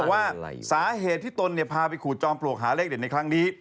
ว่าสาเหตุที่ตนพาไปขูดจอมปลวกหาเลขเด็ดในครั้งนี้